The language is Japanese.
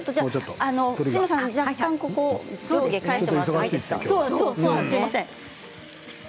藤野さん、若干こちら上下を返してもらっていいですか。